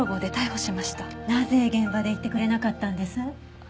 なぜ現場で言ってくれなかったんです？